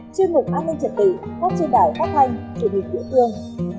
ba chương mục an ninh trật tự phát trên đài phát thanh truyền hình tự tương